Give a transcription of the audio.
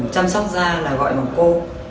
chăm sóc da là gọi một cô